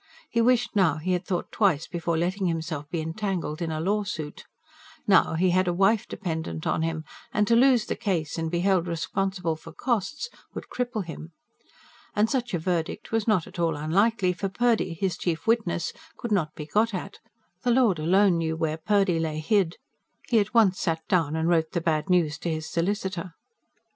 He wished now he had thought twice before letting himself be entangled in a lawsuit. Now, he had a wife dependent on him, and to lose the case, and be held responsible for costs, would cripple him. And such a verdict was not at all unlikely; for Purdy, his chief witness, could not be got at: the Lord alone knew where Purdy lay hid. He at once sat down and wrote the bad news to his solicitor.